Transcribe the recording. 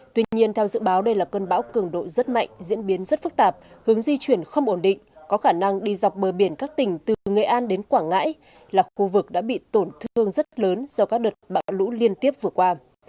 tuy nhiên theo dự báo đây là cơn bão cường độ rất mạnh diễn biến rất phức tạp hướng di chuyển không ổn định có khả năng đi dọc bờ biển các tỉnh từ nghệ an đến quảng ngãi là khu vực đã bị tổn thương rất lớn do các đợt bão lũ liên tiếp vừa qua